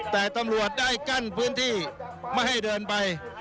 แต่ตำรวจได้กั้นพื้นที่ไม่ให้เดินไป